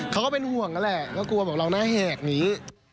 ก็เป็นห่วงนั่นแหละก็กลัวบอกเราหน้าแหกนี้